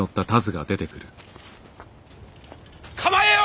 構えよ！